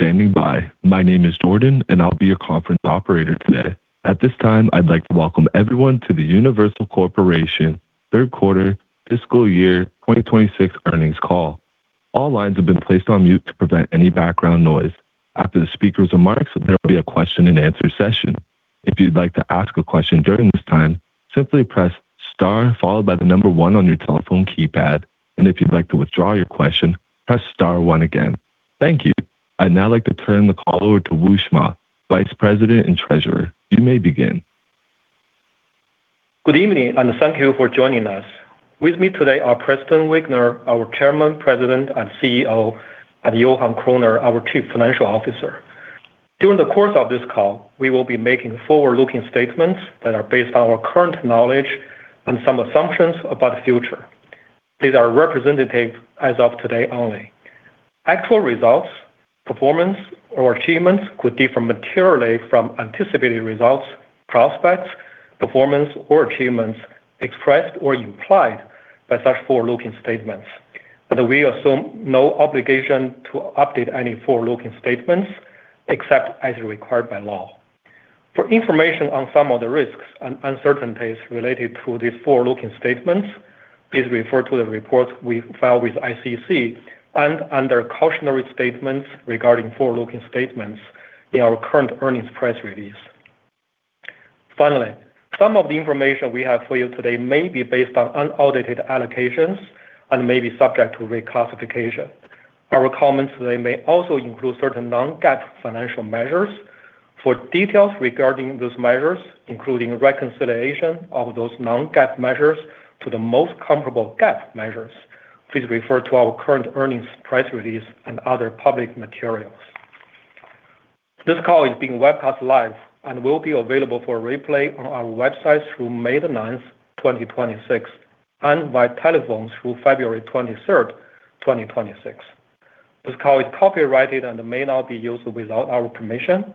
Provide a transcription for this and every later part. Standing by. My name is Jordan, and I'll be your conference operator today. At this time, I'd like to welcome everyone to the Universal Corporation Third Quarter Fiscal Year 2026 Earnings Call. All lines have been placed on mute to prevent any background noise. After the speaker's remarks, there will be a question-and-answer session. If you'd like to ask a question during this time, simply press star followed by the number one on your telephone keypad, and if you'd like to withdraw your question, press star one again. Thank you. I'd now like to turn the call over to Wushuang Ma, Vice President and Treasurer. You may begin. Good evening, and thank you for joining us. With me today are Preston Wigner, our Chairman, President, and CEO, and Johan Kroner, our Chief Financial Officer. During the course of this call, we will be making forward-looking statements that are based on our current knowledge and some assumptions about the future. These are representative as of today only. Actual results, performance, or achievements could differ materially from anticipated results, prospects, performance, or achievements expressed or implied by such forward-looking statements. And we assume no obligation to update any forward-looking statements except as required by law. For information on some of the risks and uncertainties related to these forward-looking statements, please refer to the reports we filed with the SEC and other cautionary statements regarding forward-looking statements in our current earnings press release. Finally, some of the information we have for you today may be based on unaudited allocations and may be subject to reclassification. Our comments today may also include certain non-GAAP financial measures. For details regarding those measures, including reconciliation of those non-GAAP measures to the most comparable GAAP measures, please refer to our current earnings press release and other public materials. This call is being webcast live and will be available for replay on our website through 9 May 2026 and via telephone through February 23rd, 2026. This call is copyrighted and may not be used without our permission.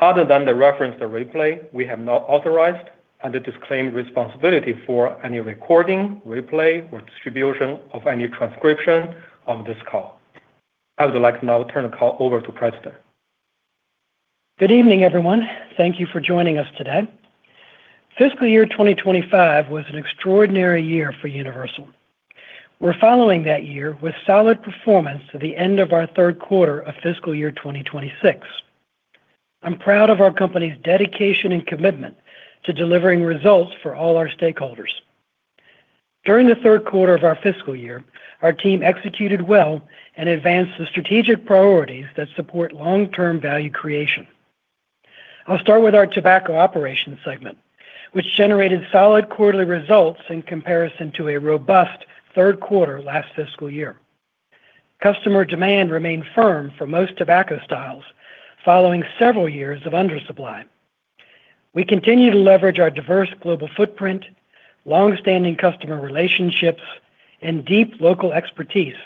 Other than the reference to replay, we have not authorized and disclaimed responsibility for any recording, replay, or distribution of any transcription of this call. I would like to now turn the call over to Preston. Good evening, everyone. Thank you for joining us today. Fiscal year 2025 was an extraordinary year for Universal. We're following that year with solid performance to the end of our third quarter of fiscal year 2026. I'm proud of our company's dedication and commitment to delivering results for all our stakeholders. During the third quarter of our fiscal year, our team executed well and advanced the strategic priorities that support long-term value creation. I'll start with our tobacco operations segment, which generated solid quarterly results in comparison to a robust third quarter last fiscal year. Customer demand remained firm for most tobacco styles following several years of undersupply. We continue to leverage our diverse global footprint, long-standing customer relationships, and deep local expertise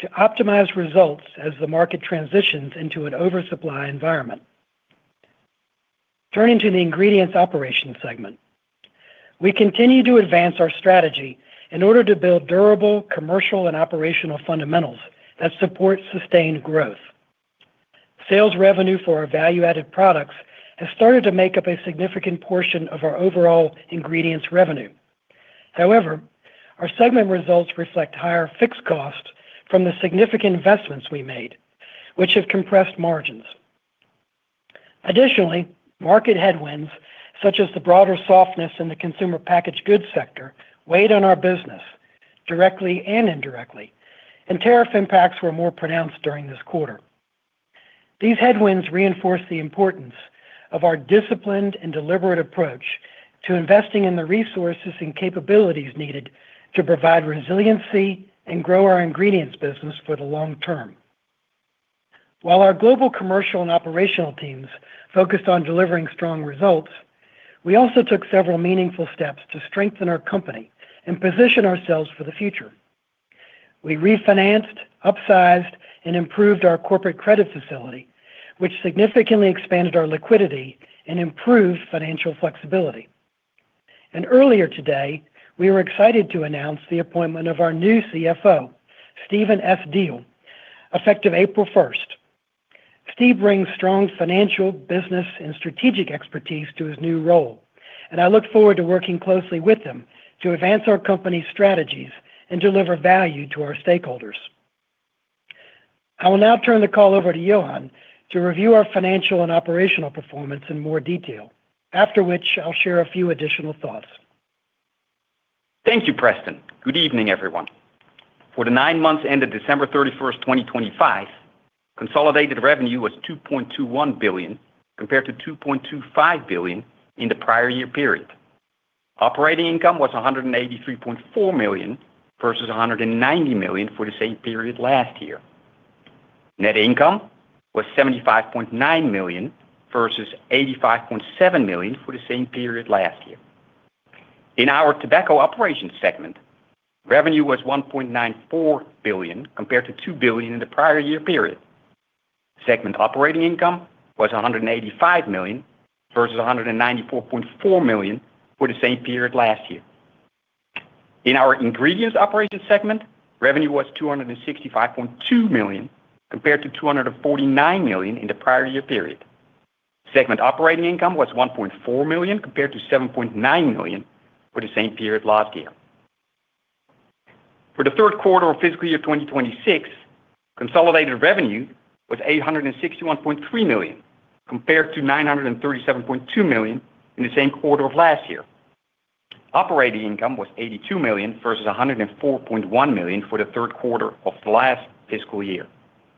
to optimize results as the market transitions into an oversupply environment. Turning to the ingredients operations segment, we continue to advance our strategy in order to build durable commercial and operational fundamentals that support sustained growth. Sales revenue for our value-added products has started to make up a significant portion of our overall ingredients revenue. However, our segment results reflect higher fixed costs from the significant investments we made, which have compressed margins. Additionally, market headwinds such as the broader softness in the consumer packaged goods sector weighed on our business directly and indirectly, and tariff impacts were more pronounced during this quarter. These headwinds reinforce the importance of our disciplined and deliberate approach to investing in the resources and capabilities needed to provide resiliency and grow our ingredients business for the long term. While our global commercial and operational teams focused on delivering strong results, we also took several meaningful steps to strengthen our company and position ourselves for the future. We refinanced, upsized, and improved our corporate credit facility, which significantly expanded our liquidity and improved financial flexibility. Earlier today, we were excited to announce the appointment of our new CFO, Steven S. Diel, effective April 1st. Steve brings strong financial, business, and strategic expertise to his new role, and I look forward to working closely with him to advance our company's strategies and deliver value to our stakeholders. I will now turn the call over to Johan to review our financial and operational performance in more detail, after which I'll share a few additional thoughts. Thank you, Preston. Good evening, everyone. For the nine months ended 31 December 2025, consolidated revenue was $2.21 billion compared to $2.25 billion in the prior year period. Operating income was $183.4 million versus $190 million for the same period last year. Net income was $75.9 million versus $85.7 million for the same period last year. In our tobacco operations segment, revenue was $1.94 billion compared to $2 billion in the prior year period. Segment operating income was $185 million versus $194.4 million for the same period last year. In our ingredients operations segment, revenue was $265.2 million compared to $249 million in the prior year period. Segment operating income was $1.4 million compared to $7.9 million for the same period last year. For the third quarter of fiscal year 2026, consolidated revenue was $861.3 million compared to $937.2 million in the same quarter of last year. Operating income was $82 million versus $104.1 million for the third quarter of the last fiscal year.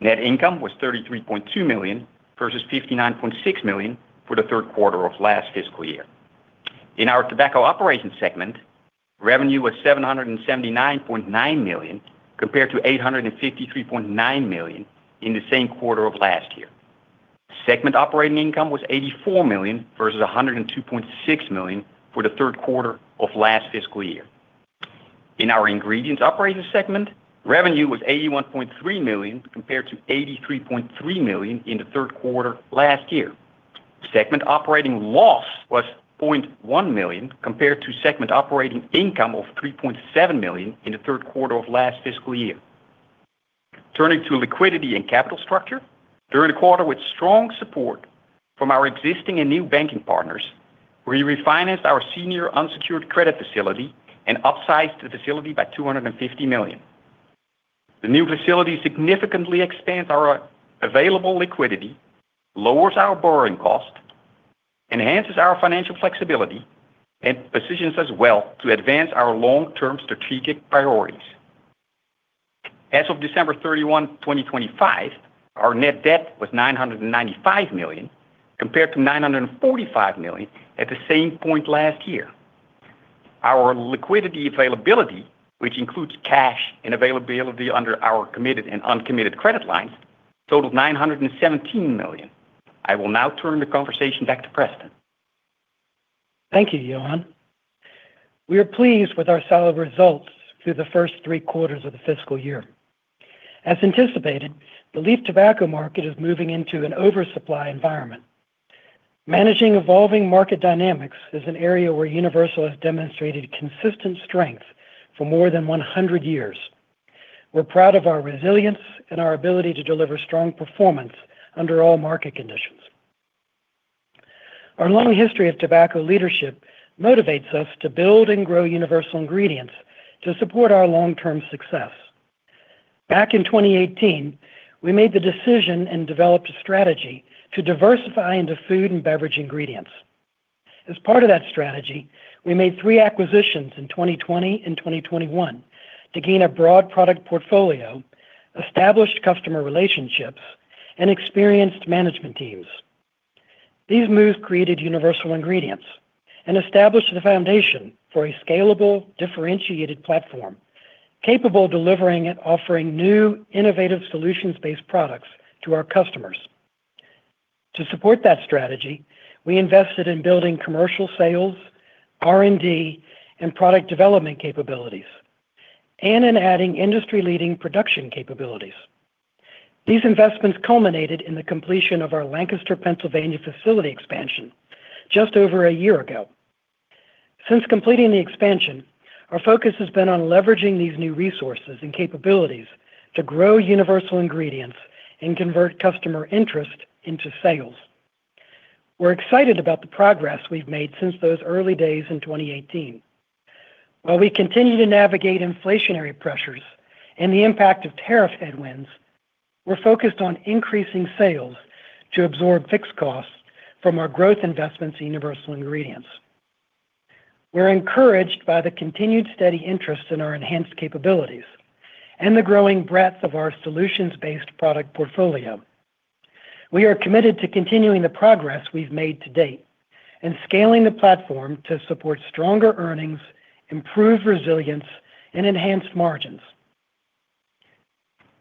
Net income was $33.2 million versus $59.6 million for the third quarter of last fiscal year. In our tobacco operations segment, revenue was $779.9 million compared to $853.9 million in the same quarter of last year. Segment operating income was $84 million versus $102.6 million for the third quarter of last fiscal year. In our ingredients operations segment, revenue was $81.3 million compared to $83.3 million in the third quarter last year. Segment operating loss was $0.1 million compared to segment operating income of $3.7 million in the third quarter of last fiscal year. Turning to liquidity and capital structure, during a quarter with strong support from our existing and new banking partners, we refinanced our senior unsecured credit facility and upsized the facility by $250 million. The new facility significantly expands our available liquidity, lowers our borrowing cost, enhances our financial flexibility, and positions us well to advance our long-term strategic priorities. As of December 31, 2025, our net debt was $995 million compared to $945 million at the same point last year. Our liquidity availability, which includes cash and availability under our committed and uncommitted credit lines, totaled $917 million. I will now turn the conversation back to Preston. Thank you, Johan. We are pleased with our solid results through the first three quarters of the fiscal year. As anticipated, the leaf tobacco market is moving into an oversupply environment. Managing evolving market dynamics is an area where Universal has demonstrated consistent strength for more than 100 years. We're proud of our resilience and our ability to deliver strong performance under all market conditions. Our long history of tobacco leadership motivates us to build and grow Universal Ingredients to support our long-term success. Back in 2018, we made the decision and developed a strategy to diversify into food and beverage ingredients. As part of that strategy, we made three acquisitions in 2020 and 2021 to gain a broad product portfolio, established customer relationships, and experienced management teams. These moves created Universal Ingredients and established the foundation for a scalable, differentiated platform capable of delivering and offering new, innovative solutions-based products to our customers. To support that strategy, we invested in building commercial sales, R&D, and product development capabilities, and in adding industry-leading production capabilities. These investments culminated in the completion of our Lancaster, Pennsylvania facility expansion just over a year ago. Since completing the expansion, our focus has been on leveraging these new resources and capabilities to grow Universal Ingredients and convert customer interest into sales. We're excited about the progress we've made since those early days in 2018. While we continue to navigate inflationary pressures and the impact of tariff headwinds, we're focused on increasing sales to absorb fixed costs from our growth investments in Universal Ingredients. We're encouraged by the continued steady interest in our enhanced capabilities and the growing breadth of our solutions-based product portfolio. We are committed to continuing the progress we've made to date and scaling the platform to support stronger earnings, improved resilience, and enhanced margins.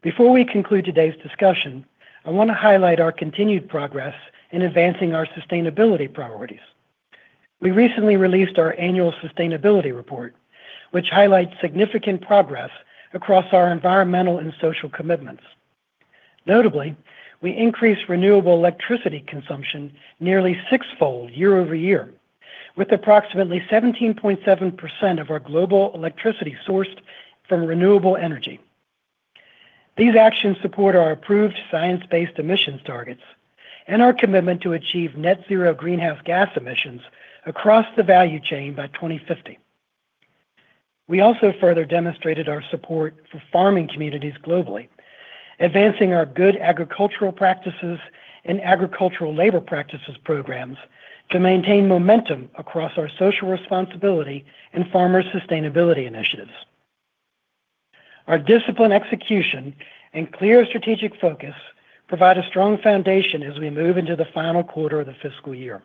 Before we conclude today's discussion, I want to highlight our continued progress in advancing our sustainability priorities. We recently released our annual sustainability report, which highlights significant progress across our environmental and social commitments. Notably, we increased renewable electricity consumption nearly six-fold year-over-year, with approximately 17.7% of our global electricity sourced from renewable energy. These actions support our approved science-based emissions targets and our commitment to achieve net-zero greenhouse gas emissions across the value chain by 2050. We also further demonstrated our support for farming communities globally, advancing our Good Agricultural Practices and Agricultural Labor Practices programs to maintain momentum across our social responsibility and farmer sustainability initiatives. Our disciplined execution and clear strategic focus provide a strong foundation as we move into the final quarter of the fiscal year.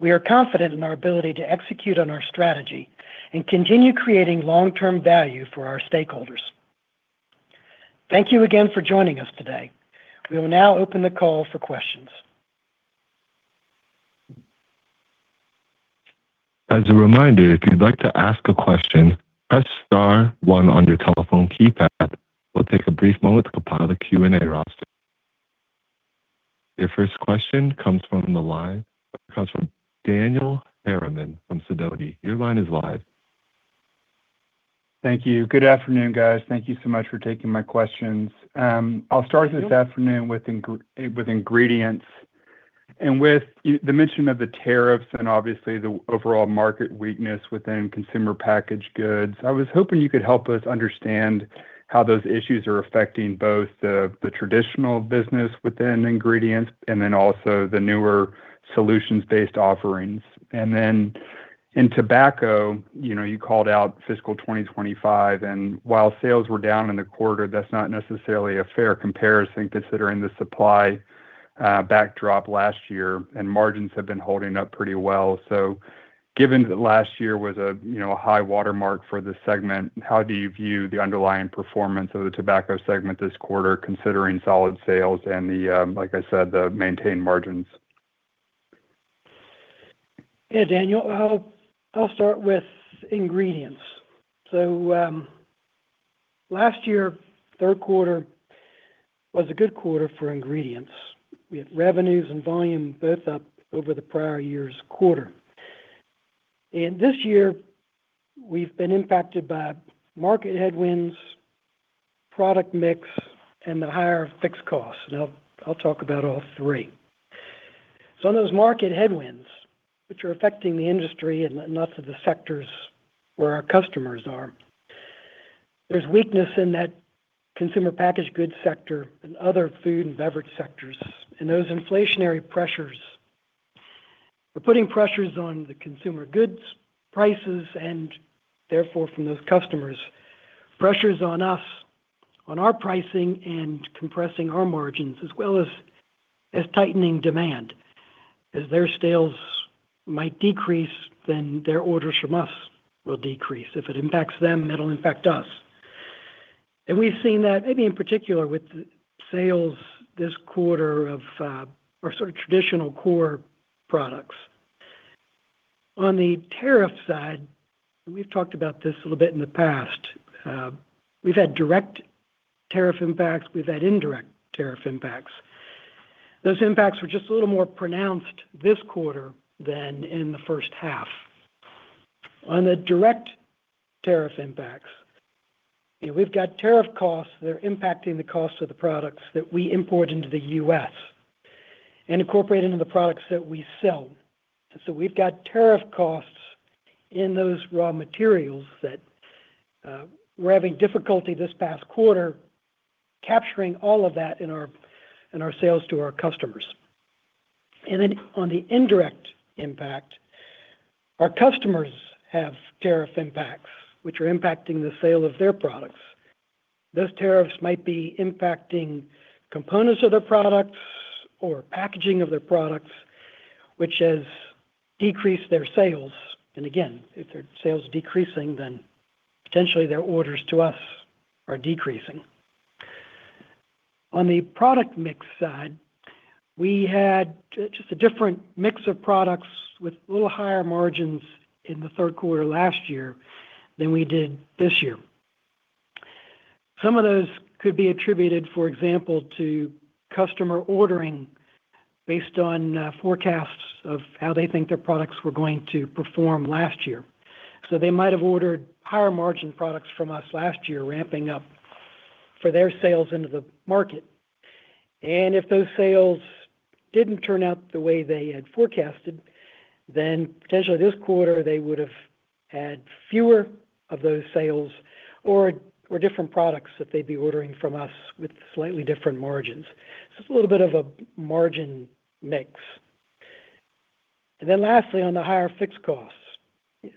We are confident in our ability to execute on our strategy and continue creating long-term value for our stakeholders. Thank you again for joining us today. We will now open the call for questions. As a reminder, if you'd like to ask a question, press star one on your telephone keypad. We'll take a brief moment to compile the Q&A roster. Your first question comes from the line of Daniel Harriman from Sidoti. Your line is live. Thank you. Good afternoon, guys. Thank you so much for taking my questions. I'll start this afternoon with ingredients and with the mention of the tariffs and, obviously, the overall market weakness within consumer packaged goods. I was hoping you could help us understand how those issues are affecting both the traditional business within ingredients and then also the newer solutions-based offerings. And then in tobacco, you called out fiscal 2025. And while sales were down in the quarter, that's not necessarily a fair comparison considering the supply backdrop last year, and margins have been holding up pretty well. So given that last year was a high watermark for the segment, how do you view the underlying performance of the tobacco segment this quarter considering solid sales and, like I said, the maintained margins? Yeah, Daniel. I'll start with ingredients. So last year, third quarter was a good quarter for ingredients. We had revenues and volume both up over the prior year's quarter. And this year, we've been impacted by market headwinds, product mix, and the higher fixed costs. And I'll talk about all three. So on those market headwinds, which are affecting the industry and not the sectors where our customers are, there's weakness in that consumer packaged goods sector and other food and beverage sectors. And those inflationary pressures are putting pressures on the consumer goods prices and, therefore, from those customers, pressures on us, on our pricing and compressing our margins as well as tightening demand. As their sales might decrease, then their orders from us will decrease. If it impacts them, it'll impact us. We've seen that maybe in particular with sales this quarter of our sort of traditional core products. On the tariff side, and we've talked about this a little bit in the past, we've had direct tariff impacts. We've had indirect tariff impacts. Those impacts were just a little more pronounced this quarter than in the first half. On the direct tariff impacts, we've got tariff costs. They're impacting the cost of the products that we import into the U.S. and incorporate into the products that we sell. And so we've got tariff costs in those raw materials that we're having difficulty this past quarter capturing all of that in our sales to our customers. Then on the indirect impact, our customers have tariff impacts, which are impacting the sale of their products. Those tariffs might be impacting components of their products or packaging of their products, which has decreased their sales. And again, if their sales are decreasing, then potentially their orders to us are decreasing. On the product mix side, we had just a different mix of products with a little higher margins in the third quarter last year than we did this year. Some of those could be attributed, for example, to customer ordering based on forecasts of how they think their products were going to perform last year. So they might have ordered higher-margin products from us last year, ramping up for their sales into the market. And if those sales didn't turn out the way they had forecasted, then potentially this quarter, they would have had fewer of those sales or different products that they'd be ordering from us with slightly different margins. So it's a little bit of a margin mix. And then lastly, on the higher fixed costs,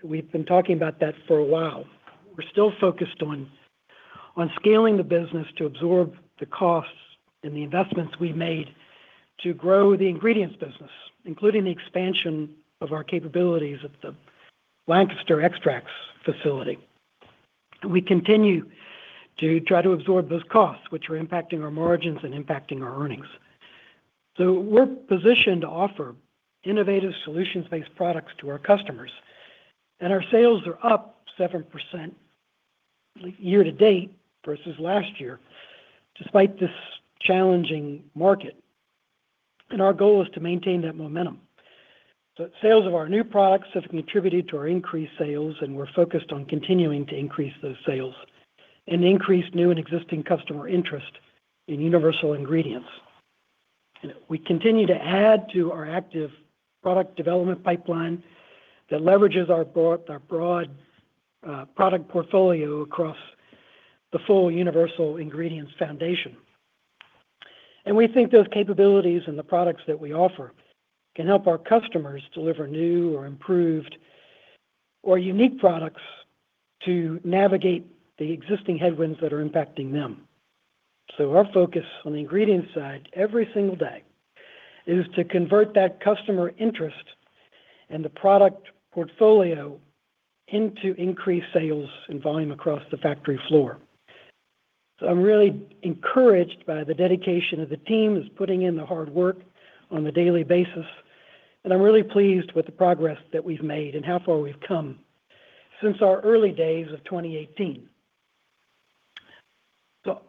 we've been talking about that for a while. We're still focused on scaling the business to absorb the costs and the investments we made to grow the ingredients business, including the expansion of our capabilities at the Lancaster Extracts facility. We continue to try to absorb those costs, which are impacting our margins and impacting our earnings. So we're positioned to offer innovative solutions-based products to our customers. And our sales are up 7% year to date versus last year, despite this challenging market. And our goal is to maintain that momentum. So sales of our new products have contributed to our increased sales, and we're focused on continuing to increase those sales and increase new and existing customer interest in Universal Ingredients. We continue to add to our active product development pipeline that leverages our broad product portfolio across the full Universal Ingredients foundation. We think those capabilities and the products that we offer can help our customers deliver new or improved or unique products to navigate the existing headwinds that are impacting them. Our focus on the ingredients side every single day is to convert that customer interest and the product portfolio into increased sales and volume across the factory floor. I'm really encouraged by the dedication of the team that's putting in the hard work on a daily basis. I'm really pleased with the progress that we've made and how far we've come since our early days of 2018.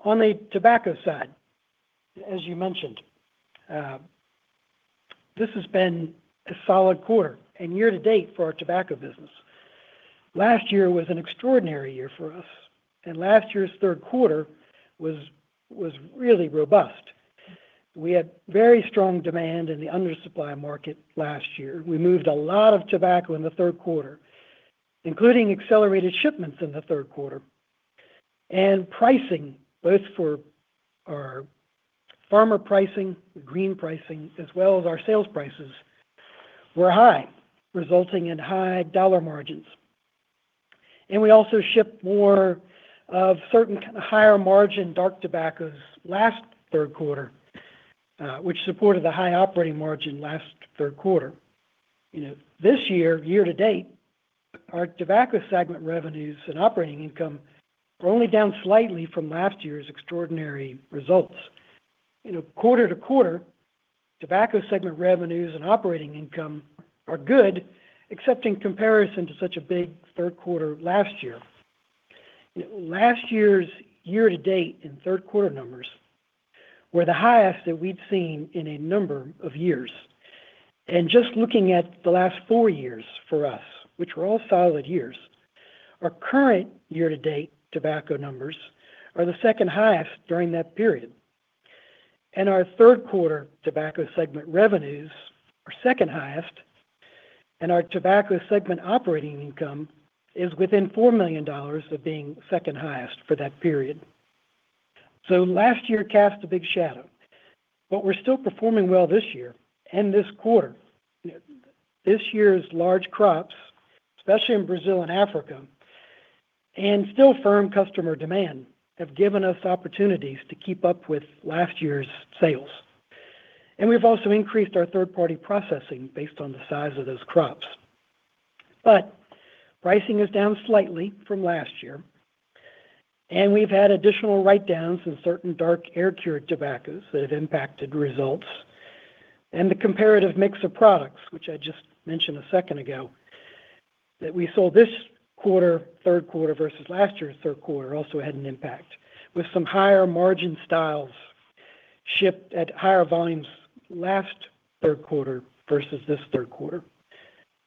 On the tobacco side, as you mentioned, this has been a solid quarter and year to date for our tobacco business. Last year was an extraordinary year for us. Last year's third quarter was really robust. We had very strong demand in the undersupply market last year. We moved a lot of tobacco in the third quarter, including accelerated shipments in the third quarter. Pricing, both for our farmer pricing, green pricing, as well as our sales prices, were high, resulting in high dollar margins. We also shipped more of certain kind of higher-margin dark tobacco last third quarter, which supported the high operating margin last third quarter. This year, year to date, our tobacco segment revenues and operating income are only down slightly from last year's extraordinary results. Quarter to quarter, tobacco segment revenues and operating income are good, except in comparison to such a big third quarter last year. Last year's year-to-date third quarter numbers were the highest that we'd seen in a number of years. Just looking at the last four years for us, which were all solid years, our current year-to-date tobacco numbers are the second highest during that period. Our third quarter tobacco segment revenues are second highest. Our tobacco segment operating income is within $4 million of being second highest for that period. Last year cast a big shadow, but we're still performing well this year and this quarter. This year's large crops, especially in Brazil and Africa, and still firm customer demand have given us opportunities to keep up with last year's sales. We've also increased our third-party processing based on the size of those crops. Pricing is down slightly from last year. We've had additional write-downs in certain dark air-cured tobacco that have impacted results. The comparative mix of products, which I just mentioned a second ago, that we sold this quarter, third quarter versus last year's third quarter, also had an impact with some higher margin styles shipped at higher volumes last third quarter versus this third quarter.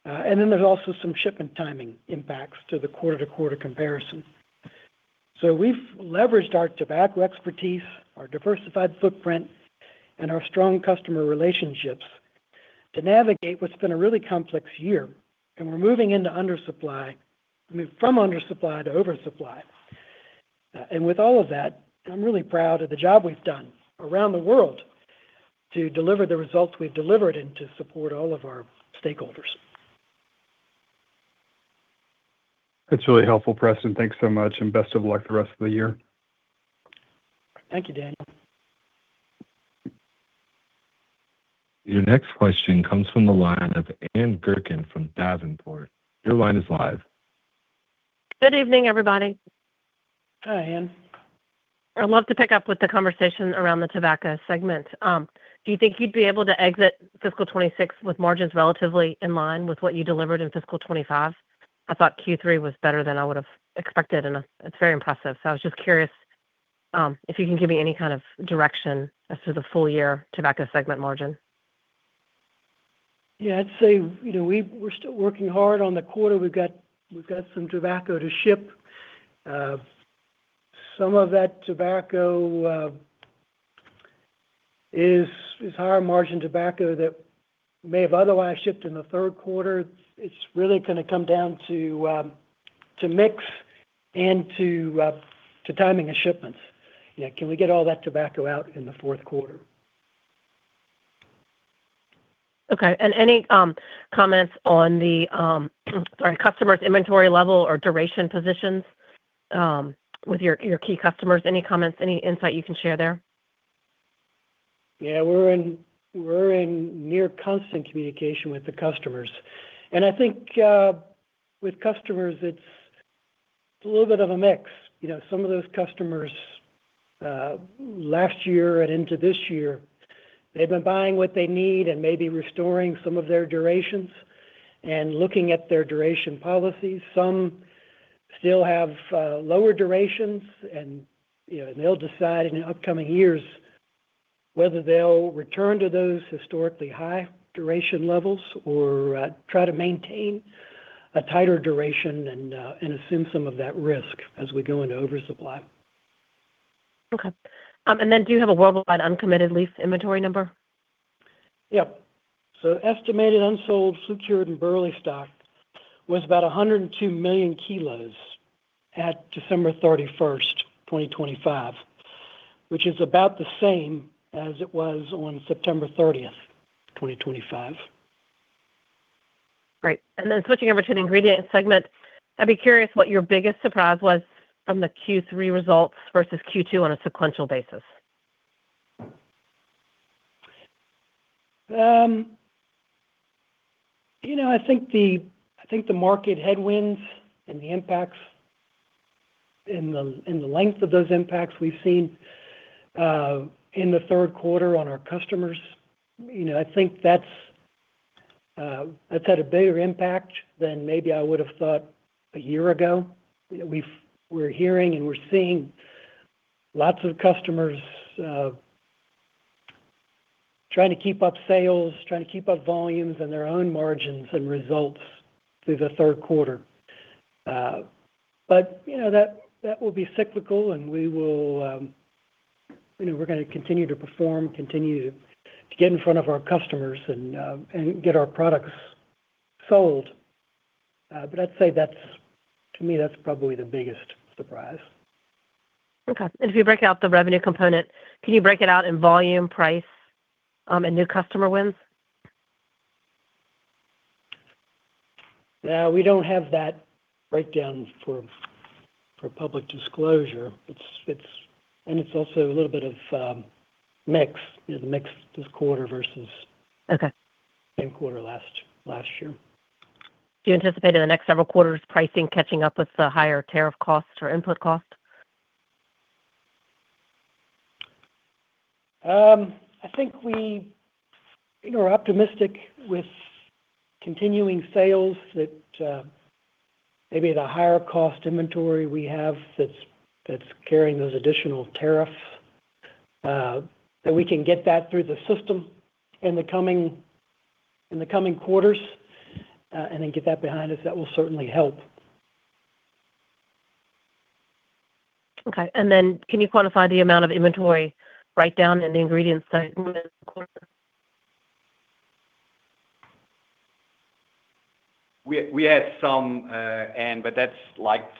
Then there's also some shipment timing impacts to the quarter-to-quarter comparison. We've leveraged our tobacco expertise, our diversified footprint, and our strong customer relationships to navigate what's been a really complex year. We're moving into undersupply, from undersupply to oversupply. With all of that, I'm really proud of the job we've done around the world to deliver the results we've delivered and to support all of our stakeholders. That's really helpful, Preston. Thanks so much. Best of luck the rest of the year. Thank you, Daniel. Your next question comes from the line of Ann Gurkin from Davenport. Your line is live. Good evening, everybody. Hi, Ann. I'd love to pick up with the conversation around the tobacco segment. Do you think you'd be able to exit fiscal 2026 with margins relatively in line with what you delivered in fiscal 2025? I thought Q3 was better than I would have expected, and it's very impressive. So I was just curious if you can give me any kind of direction as to the full-year tobacco segment margin. Yeah, I'd say we're still working hard on the quarter. We've got some tobacco to ship. Some of that tobacco is higher-margin tobacco that may have otherwise shipped in the third quarter. It's really going to come down to mix and to timing of shipments. Can we get all that tobacco out in the fourth quarter? Okay. And any comments on the, sorry, customers' inventory level or duration positions with your key customers? Any comments, any insight you can share there? Yeah, we're in near-constant communication with the customers. I think with customers, it's a little bit of a mix. Some of those customers last year and into this year, they've been buying what they need and maybe restoring some of their durations and looking at their duration policies. Some still have lower durations, and they'll decide in the upcoming years whether they'll return to those historically high duration levels or try to maintain a tighter duration and assume some of that risk as we go into oversupply. Okay. And then do you have a worldwide uncommitted leaf inventory number? Yep. So estimated unsold flue-cured and Burley stock was about 102 million kilos at December 31st, 2025, which is about the same as it was on 30 September 2025. Great. And then switching over to the ingredient segment, I'd be curious what your biggest surprise was from the Q3 results versus Q2 on a sequential basis? I think the market headwinds and the impacts and the length of those impacts we've seen in the third quarter on our customers, I think that's had a bigger impact than maybe I would have thought a year ago. We're hearing and we're seeing lots of customers trying to keep up sales, trying to keep up volumes and their own margins and results through the third quarter. But that will be cyclical, and we're going to continue to perform, continue to get in front of our customers and get our products sold. But I'd say, to me, that's probably the biggest surprise. Okay. And if you break out the revenue component, can you break it out in volume, price, and new customer wins? Now, we don't have that breakdown for public disclosure. It's also a little bit of mix, the mix this quarter versus same quarter last year. Do you anticipate in the next several quarters pricing catching up with the higher tariff costs or input cost? I think we're optimistic with continuing sales, that maybe the higher-cost inventory we have that's carrying those additional tariffs, that we can get that through the system in the coming quarters and then get that behind us. That will certainly help. Okay. And then can you quantify the amount of inventory write-down in the Ingredients segment? We had some, Anne, but that's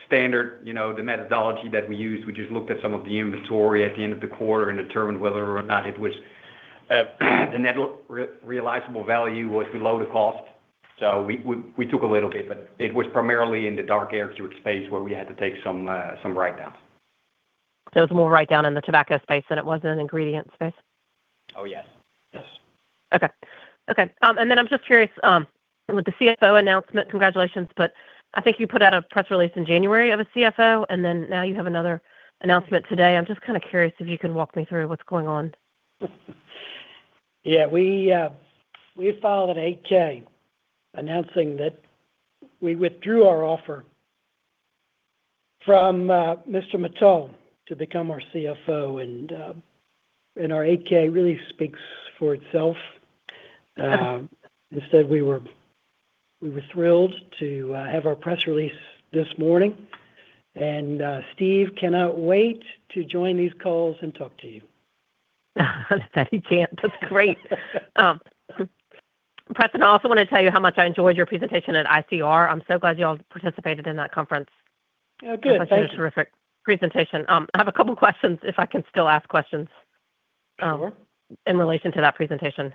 standard. The methodology that we used, we just looked at some of the inventory at the end of the quarter and determined whether or not it was the realizable value was below the cost. So we took a little bit, but it was primarily in the dark air-cured space where we had to take some write-downs. There was more write-down in the tobacco space than it was in the ingredient space? Oh, yes. Yes. Okay. Okay. And then I'm just curious, with the CFO announcement, congratulations, but I think you put out a press release in January of a CFO, and then now you have another announcement today. I'm just kind of curious if you can walk me through what's going on. Yeah. We filed an 8-K announcing that we withdrew our offer from Mr. Mittal to become our CFO. And our 8-K really speaks for itself. Instead, we were thrilled to have our press release this morning. And Steve cannot wait to join these calls and talk to you. That he can't. That's great. Preston, I also want to tell you how much I enjoyed your presentation at ICR. I'm so glad y'all participated in that conference. Oh, good. Thank you. I thought you had a terrific presentation. I have a couple of questions if I can still ask questions in relation to that presentation.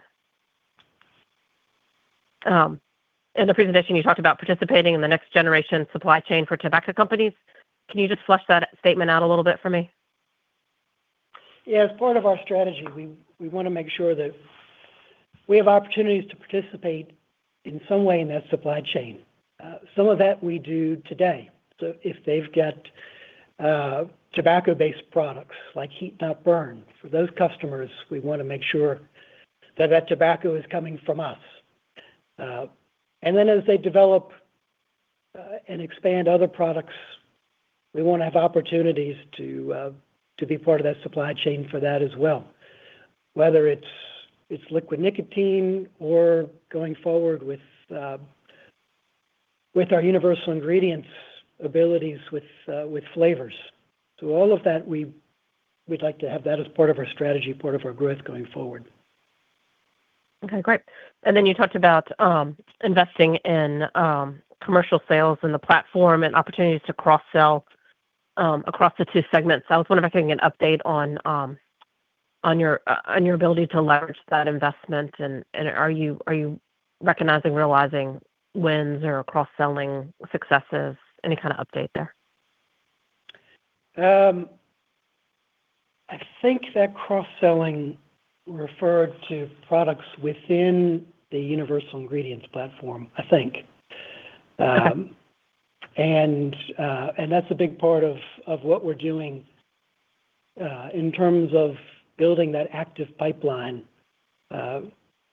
In the presentation, you talked about participating in the next-generation supply chain for tobacco companies. Can you just flesh that statement out a little bit for me? Yeah. As part of our strategy, we want to make sure that we have opportunities to participate in some way in that supply chain. Some of that we do today. So if they've got tobacco-based products like heat-not-burn, for those customers, we want to make sure that that tobacco is coming from us. And then as they develop and expand other products, we want to have opportunities to be part of that supply chain for that as well, whether it's liquid nicotine or going forward with our Universal Ingredients abilities with flavors. So all of that, we'd like to have that as part of our strategy, part of our growth going forward. Okay. Great. And then you talked about investing in commercial sales in the platform and opportunities to cross-sell across the two segments. I was wondering if I could get an update on your ability to leverage that investment. And are you recognizing, realizing wins or cross-selling successes, any kind of update there? I think that cross-selling referred to products within the Universal Ingredients platform, I think. And that's a big part of what we're doing in terms of building that active pipeline,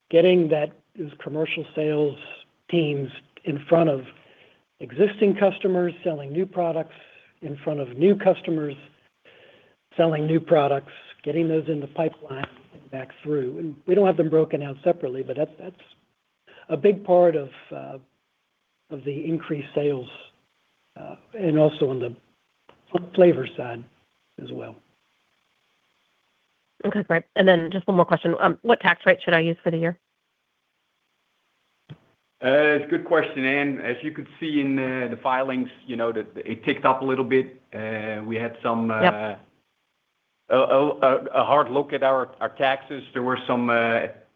getting those commercial sales teams in front of existing customers, selling new products in front of new customers, selling new products, getting those in the pipeline and back through. And we don't have them broken out separately, but that's a big part of the increased sales and also on the flavor side as well. Okay. Great. And then just one more question. What tax rate should I use for the year? It's a good question, Anne. As you could see in the filings, it ticked up a little bit. We had a hard look at our taxes. There were some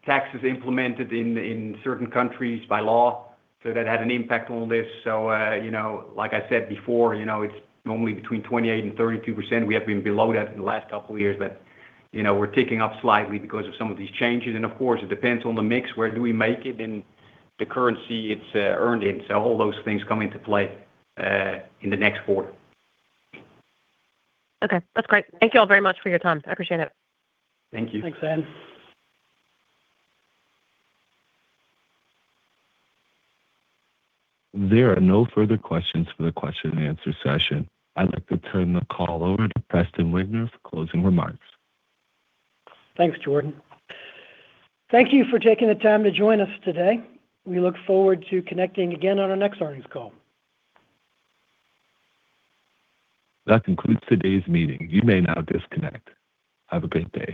taxes implemented in certain countries by law, so that had an impact on this. So like I said before, it's normally between 28% and 32%. We have been below that in the last couple of years, but we're ticking up slightly because of some of these changes. And of course, it depends on the mix. Where do we make it and the currency it's earned in? So all those things come into play in the next quarter. Okay. That's great. Thank you all very much for your time. I appreciate it. Thank you. Thanks, Ann. There are no further questions for the question-and-answer session. I'd like to turn the call over to Preston Wigner for closing remarks. Thanks, Jordan. Thank you for taking the time to join us today. We look forward to connecting again on our next earnings call. That concludes today's meeting. You may now disconnect. Have a great day.